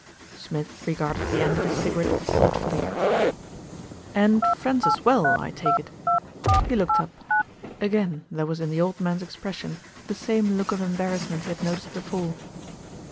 Smith regarded the end of his cigarette thought fully. 50 THE RETURN OF ALFRED "And friends as well, I take it?" He looked up. Again there was in the old man's expression the same look of embarrassment he had noticed before.